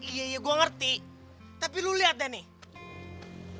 iya iya gue ngerti tapi lo liat deh nih